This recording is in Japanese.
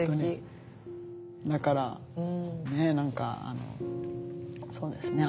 だからねえ何かあのそうですね